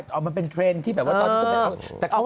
เอามันเป็นเทรนด์ที่แบบว่าตอนนี้ก็เป็น